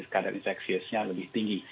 kadar infeksi nya lebih tinggi